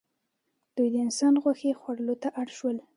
دوی د انسان غوښې خوړلو ته اړ شول.